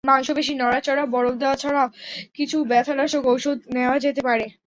মাংসপেশি নড়াচড়া, বরফ দেওয়া ছাড়াও কিছু ব্যথানাশক ওষুধ নেওয়া যেতে পারে।